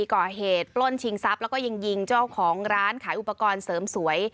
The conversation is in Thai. ก่อเหตุปล้นชิงทรัพย์แล้วก็ยังยิงเจ้าของร้านขายอุปกรณ์เสริมสวย